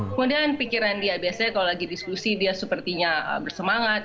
kemudian pikiran dia biasanya kalau lagi diskusi dia sepertinya bersemangat